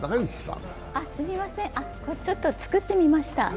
あ、すみません、ちょっと作ってみました。